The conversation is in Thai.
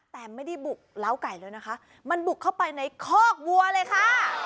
แต่ไม่ได้บุกล้าวไก่เลยนะคะมันบุกเข้าไปในคอกวัวเลยค่ะ